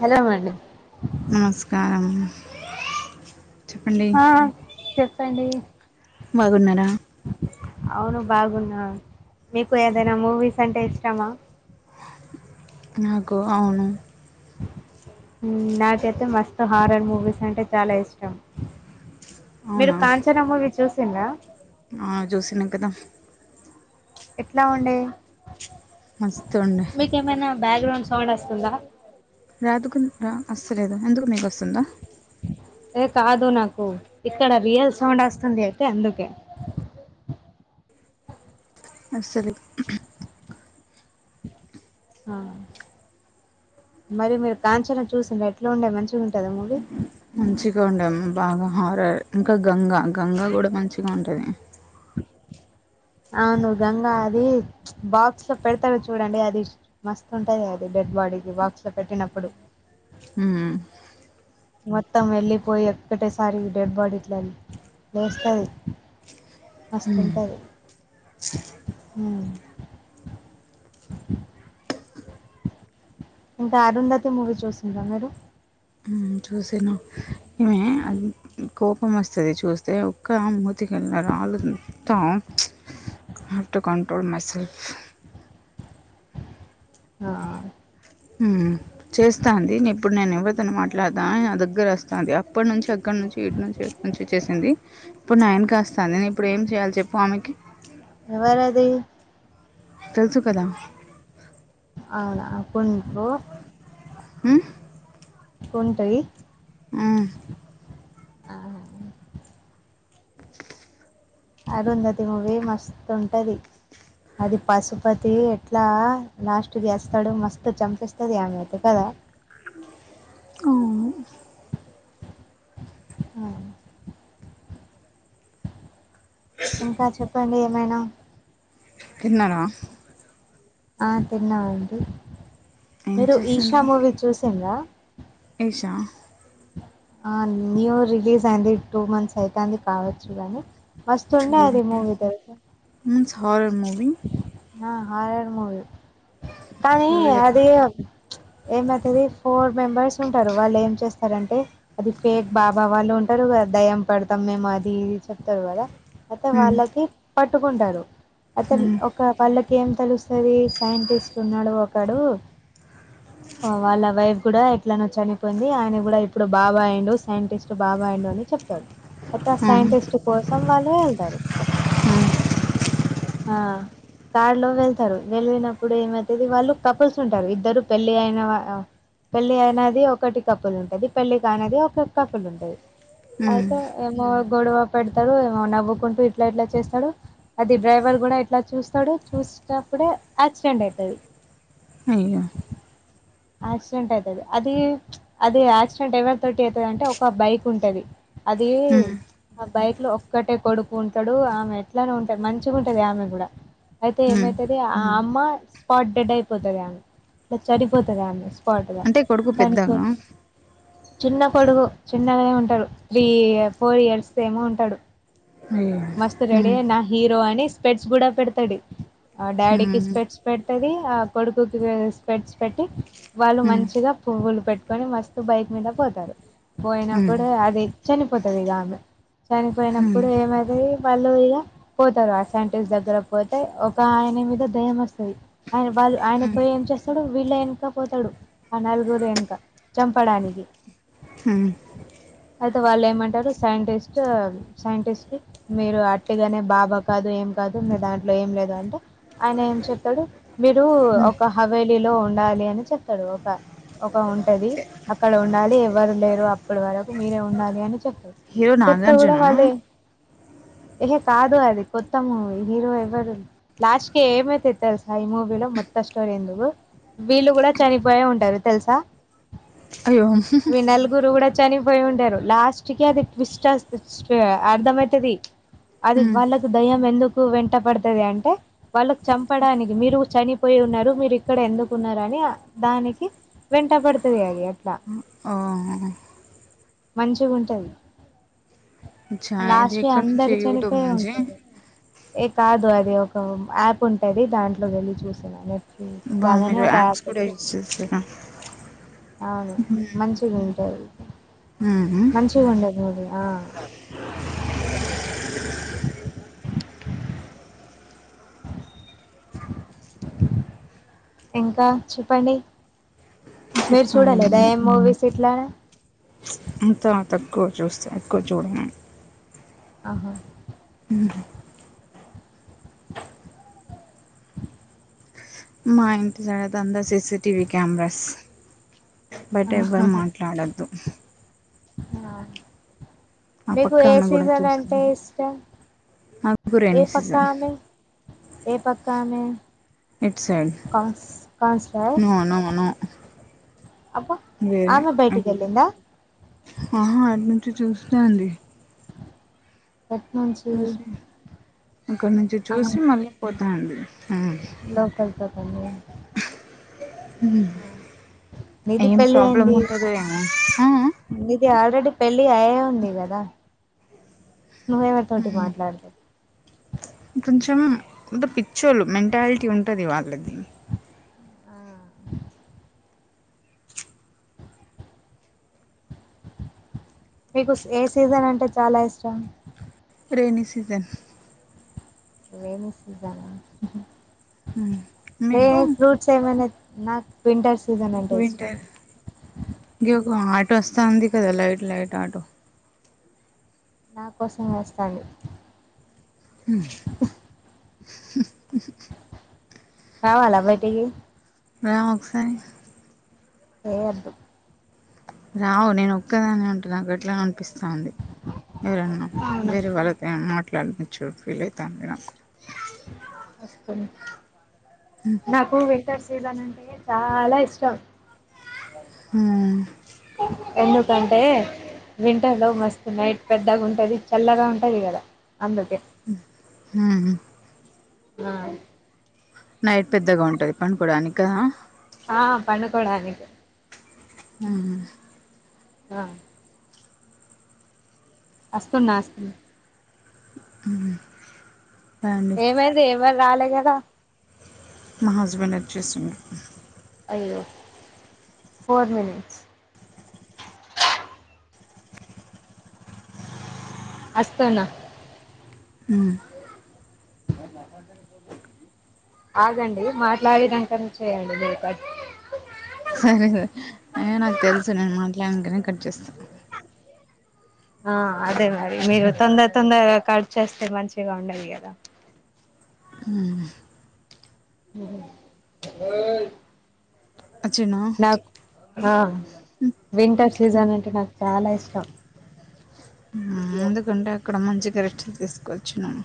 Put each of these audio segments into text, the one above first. Hello అండి నమస్కారారం ఆ చెప్పండి బాగున్నార అవును బాగున్నా మీకు ఏదైనా మూవీస్ అంటే ఇష్టమా నాకు అవును నాకైతే మస్తు హారర్ మూవీస్ అంటే చాలా ఇష్టం మీరు అవునా కాంచనా మూవీ చూసిందా ఆ జోశని కదా ఎట్లా ఉండే మస్ ఉండే మీకేమైనా బ్యాక్గ్రౌండ్ సౌండ్ వస్తుందా రాదుకు రా అసలేదు ఎందుకు మీకు వస్తుందా ఏ కాదు నాకు ఇక్కడ రియల్ సౌండ్ వస్తుంది అయితే అందుకే అ సర ఆ మరి మీరు కాంచనా చూసిండ ఎట్లా ఉండేయి మంచిగా ఉంటుది మూవీ మంచిగా ఉండదిమ్మా బాగా హార ఇంకా గంగా గంగా కూడా మంచిగా ఉంటది అవునువు గంగా అది బాక్స్ లో పెడతాడు చూడండి అది మస్తు ఉంటది అది రడ్వాడకి వాక్స్ పెట్టినప్పుడు ఆ మొత్తం వెళ్ళిపోయి ఎక్కటేసారి డెడ్ బాడీట్ల లేస్తుది ఉమ్, వస్తుంటది ఇంకా అరుంధతి మూవీ చూసిండ మరు చూసిన ఇే కోపం వస్తుది చూస్తే ఒక్క మూ త్తక ఆలుంటాం had to control myself ఆ చేస్తాంది ఇప్పుడు నేను ఎవరితను మాట్లాడతా నా దగ్గర వస్తాంది అప్పటి నుంచి ఎక్కడ నుంచి వటి నుంచి వ నుంచి వచ్చేసింది ఇప్పుడు నా వెనుక వస్తాంది నేను ఇప్పుడు ఏం చేయాలి చెప్పు ఆమెకి ఎవరది తెలుసు కదా అవునా కొన్ని రో హ్మ్. కుంటయి హ్మ్. అరుంధతి మూవీ మస్తుంటది అది పసుపతి ఎట్లా లాస్ట్ కి చస్తాడు మస్తు చంపిస్తది ఆమె కదా ఓ ఆ ఇంకా చెప్పండి ఏమైనా తిన్నారా ఆ తిన్నామండి ఏం మీరు ఈషా మూవీ చూసిండ్లా ఇషా ఆ న్యూ రిలీజ్ అయింది టూ మంత్స్ అయితంది కావచ్చు కానీ మస్తుండే అది చూడలే. మూవీ తెలుసా మీన్స్ హారర్ మూవీ ఆ హార్రర్ మూవి కానీ చూడలే. అదే ఏమైతది ఫోర్ మెంబర్స్ ఉంటారు వాళ్ళు ఏం చేస్తారంటే అది ఫేక్ బాబా వాళ్ళు ఉంటారు కదా దయ్యం పడతాం మేము అది ఇది చెప్తారు కదా అయితే హ్మ్. వాళ్ళకి పట్టుకుంటారు అతను హ్మ్. ఒక వాళ్ళకి ఏం తెలుస్తది సైంటిస్ట్ ఉన్నాడు ఒకడు అ వాళ్ళ వైఫ్ కూడా ఎట్లాన చనిపోయింది ఆయన కూడా ఇప్పుడు బాబాయిండు సైంటిస్ట్ బాబా అండు అని చెప్పారు అయితే ఆ హ్మ్. సైంటిస్ట్ కోసం వాళ్ళు వెళ్తారు ఆ తాడులో వెళ్తారు వెళ్ళినప్పుడు ఏమైతది వాళ్ళు కపుల్స్ ఉంటారు ఇద్దరు పెళ్లి అయిన పెళ్లి అయినది ఒకటి కప్పుల్ ఉంటది పెళ్లికి కానిది ఒక కప్పుల్ ఉంటది హ్మ్. అయితే ఏమో గొడవ పెడతాడు ఏమో నవ్వుకుంటూ ఇట్లా ఇట్లా చేస్తాడు అది డ్రైవర్ కూడా ఇట్లా చూస్తాడు చూసినప్పుడే యాక్సిడెంట్ అయితది అయ్యో యాక్సిడెంట్ అయితది అది అది యాక్సిడెంట్ ఎవరి తోటి అయితది అంటే ఒక బైక్ ఉంటది అది హ్మ్. ఆ బైక్ లో ఒక్కటే కొడుకు ఉంటాడు ఆమె ఎట్లానే ఉంటాది మంచిగా ఉంటది ఆమె కూడా అయితే హ్మ్. ఏమైతది ఆ అమ్మ స్పాట్ డెడ్ అయిపోతది ఆమె ఇట్లా చనిపోతది ఆమె స్పాట్ గా అంటే కొడుకు చనిపో పెద్దగా? చిన్న కొడుకు చిన్నగానే ఉంటాడు త్రీ ఫోర్ ఇయర్స్ ఏమో ఉంటాడు అయ్యో! మస్తు రెడీ హ్మ్. నా హీరో అని స్పెట్స్ కూడా పెడతాడు ఆ డాడీకి హ్మ్. స్పెడ్స్ పెట్టది ఆ కొడుకుకి స్పెడ్స్ పెట్టి వాళ్ళు హ్మ్. మంచిగా పువ్వులు పెట్టుకొని మస్తు బైక్ మీద పోతారు హ్మ్. పోయినప్పుడు అది చనిపోతది ఇగ ఆమె హ్మ్. చనిపోయినప్పుడు ఏమై వాళ్ళు ఇగ పోతారు ఆ సైంటిస్ట్ దగ్గర పోతే ఒక ఆయన మీద దయ్యం వస్తది ఆయన వాళ్ళు ఆయన పోయి ఏం చేస్తాడు వీళ్ళ వెనక పోతాడు ఆ నలుగురు వెనక చంపడానికి ఆ అయితే వాళ్ళు ఏమంటారు సైంటిస్ట్ సైంటిస్ట్ మీరు అట్టిగానే బాబా కాదు ఏం కాదు మీ దాంట్లో ఏం లేదు అంటే ఆయన ఏం చెతాడు మీరు హ్మ్. ఒక హవేలీలో ఉండాలి అని చెప్తాడు ఒక ఒక ఉంటది అక్కడ ఉండాలి ఎవ్వరు లేరు అప్పడు వరకు మీరే ఉండాలి అని చెప్ హీరో చెప్తా కూడా నాగార్జుననా వాళ్ళు ఏం ఏహే కాదు అది కొత్త మూవి హీరో ఎవరు లాస్ట్ కి ఏమైతది తెలుసా ఈ మూవీ మొత్తం స్టోరీ ఎందుకు వీళ్ళు కూడా చనిపోయే ఉంటారు తెలుసా అయ్యో నలుగురు కూడా చనిపోయి ఉంటారు లాస్ట్ కి అది ట్విస్ట్ అర్థమయితది అది మ్మ్ వాళ్ళకి దయ్యం ఎందుకు వెంట పడుతది అంటే వాళ్ళకి చంపడానికి మీరు చని పోయి ఉన్నారు మీరు ఇక్కడ ఎందుకున్నారుార అని దానికి వెంట పడుతుంది అది అట్లా ఆఓ మంచిగా ఉంటుంది చాయ్ దెకడ నుంచి. యూట్యూబ్ చనిపోయి నుంచి ఉంటారు ఏ కాదు అది ఒక యాప్ ఉంటది దాంట్లో వెళ్లిి చూసా నేను బా మీరు యాప్స్ కూడా యూజ్ చేస్తారా అవును మంచిగా ఉంటాది హ్మ హ్మ అది ఆ ఇంకా చెప్పండి మీరు చెప్పాలి చూడాలి అదా మీరే ఏ మూవీస్ ఇట్లా అంత తక్కువ చూస్తే ఎక్కువ చూడము ఆహా మా ఇంటి సైడ్ అంతా సిసిటివి కెమెరాస్ బట్ ఎవ్వరు మాట్లాడద్దు ఆ ఆ మీకు పక్క ఏ ఆమె కూడా సీజన్ అంటే చూస్తుంది ఇష్టం నాకు ఏ రైనీ పక్క సీజన్ ఆమె ఏ పక్క అమె ఇట్ సైడ్ కౌన్ కౌన్సిలర్ నో అబ్బా అది ఆమె బయటికి వెళ్ళిందా ఆహా అటి నుంచి చూస్తంది ఎట్ నుంచి అక్కడి నుంచి చూసి మళ్ళీపోతాంది లోపల పక్కన ఆ ఏం నిధిపెల్లి ప్రాబ్లం అయింది ఉంటదో ఏమో ఆ మళ్ళీ ఇది ఆల్రెడీ పెళ్ళి అయే ఉంది కదా నువ్వేవరి తోటి మాట్లాడతవ్ కొంచెం పిచ్చోలు మెంటాలిటీ ఉంటుంది వాళ్ళది ఆ మీకు ఏ సీజన్ అంటే చాలా ఇష్టం రైనీ సీజన్ ఏ మీకు ఫ్రూట్స్ ఏమన్నా. నా ఇంకా వింటర్ గివ్ గాడ్. ప్రస్త ఉంది కదా లైట్ లైట్ ఆటో నా కోసం వేస్తాడు హ్మ కావాలా బయటికి రా ఒకసారి ఏ వధూ రావు నేను ఒక్కదాని ఉంటా నాకు ఎట్లనో అనిపిస్తంది పిస్తది ఎరన్నా అవును వేరే వాళ్ళతో ఏమన్నా మాట వినాయక చవితికి కెళ్లి ఐతాంది నాకు. నాకు వింటర్ సీజన్ ఆన్ టె చాలా ఇష్టం ఆ ఎందుకంటే వింటర్లో మస్తు నైట్ పెద్దగా ఉంటుంది చల్లగా ఉంటుంది కదా అందుకే హ ఆ నైట్ పెద్దగా ఉంటుంది పనుకోడానికి కదా ఆ పన్నుకోడానికి ఆ ఆ వస్తున్న వస్తున్న అ ఏమైంది ఎవరులే కదా మా హస్బెండ్ వచ్చేసిండు అయ్యో ఫోర్ మనిట్స్ వస్తున్న అ మప్ప ఆగండి మాట్లాడిటంటనే చేయండి మీపట్ సరే స నాకు తెలుసు నేను మాట్లాడాకనే కట్ చేస్తాను ఆ అదే మరి మీరు తొందర తొందరగా కర్చ చేస్తే మంచిగా ఉండాలి కదా అ వచ్చినా నాకు ఆ వింటర్ సీజన్ అంటే నాకు చాలా ఇష్టం ఎందుకంటే అక్కడ మంచి కరెక్క్షలు తీసుకోవచ్చు నను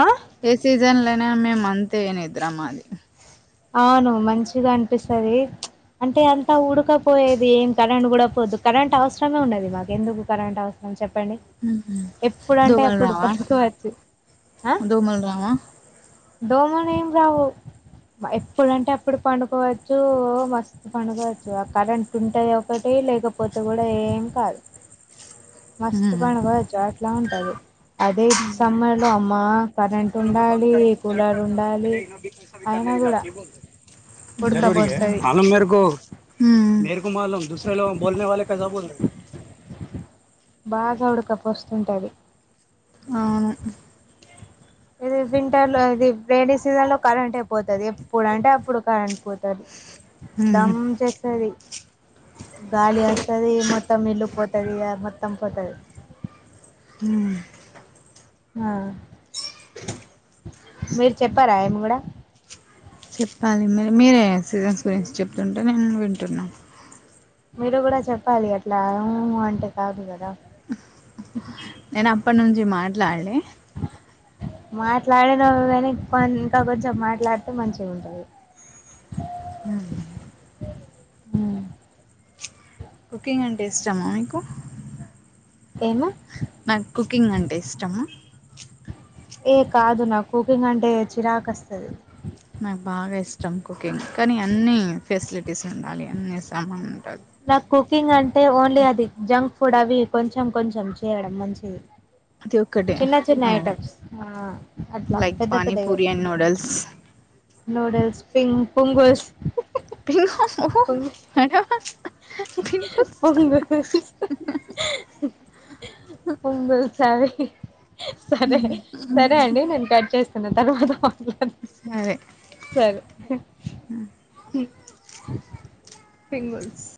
ఆ ఏ సీజన్ లనే మే అంత ఏనద్రమ్ మాది అవును్ మంచిగా అనిపిస్తుంది అంటే అంతా ఉఊడకపోయేది ఏం కరెంట్ కూడాడ పోద్దు కరెంట్ అవసరమే ఉన్నది మాకు ఎందుకు కరెంట్ అవసరం చెప్ప చెప్పండి ఎప్పుడు అంటే అప్పుడు పడుకోవచ్చు దోమల్ రావా డోమో నం రాహు ఎప్పుడంటే అప్పుడు పండుకోవచ్చు మస్తు పండుకోవచ్చు ఆ కరెంట్ ఉంటది ఒకటి లేకపోతే కూడా ఏం కాదు మస్తు ఉమ్ పని కావచ్చు అట్లా ఉంటది అదే సమ్మర్ లో అమ్మా కరెంట్ టండాాల ట్రాక్టర్ గల పైసా క జత కూడా బుల్లే జరుూరిగా ఉడకపోస్తది అనం మేరకు మలు దూసరే బోల్నే వే కసా బోల్ రే బాగా ఉడకపోస్తుంటుంది ఆ ఇది వింటర్ లో ఇది వేడి సీజన్ లో కరెంటే పోతుంది ఎప్పుడు అంటే అప్పుడు కరెంట్ పోతుది ఉమ్ దమ్ చేస్తుేది గాలి వస్తది మొత్తం ఇల్లు పోతుది మొత్తం పోతుది అ ఆ మీరు చెప్పారా ఏమి కూడా చెప్పాలి మరి మీరే సీజన్స్ గురించి చెప్తుంటే నేను వింటున్నాను మీరు కూడా చెప్పాలి అట్లా ఏ అంటే కాదు కదా నేను అప్ప నుంచి మాట్లాడలే మాట్లాడిన కానీ ఇంకా కొంచెం మాట్లాడితే మంచిగా ఉంటది అ కుకింగ్ అంటే ఇష్టమా మీకు ఎమ మాకు కుకింగ్ అంటే ఇష్టమా ఏ కాదు నా కుకింగ్ అంటే చిరాకు వస్తది నాకు బాగా ఇష్టం కుకింగ్ కానీ అన్ని ఫెసిలిటీస్ ఉండాలి అన్ని సామాన్లు ఉండాలి నాకు కుకింగ్ అంటే ఓన్లీ అది జంక్ ఫుడ్ అవి కొంచెం కొంచెం చేయడం మంచిది అది ఒక్కటి చిన్న చిన్న అవ్ ఐటమ్స్ ఆ అట్లా లైక్ పెద్ద పానీపూరి అండ్ న్యూడిల్స్ నూడల్స్ పింగ్ పుంగుస్ కుహకు పుంగుస్ ఆ అవి సరే సరే అండి నేను కట్ చేస్తున్నా తర్వాత మాట్లాడా అరే సరే పింగల్స్